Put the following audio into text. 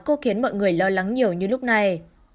cô khiến mọi người lo lắng nhiều như lúc này